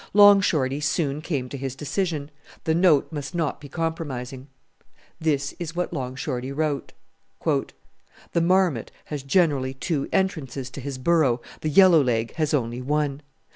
Long Shorty soon came to his decision. The note must not be compromising. This is what Long Shorty wrote, "The Marmot has generally two entrances to his burrow, the yellow leg has only one.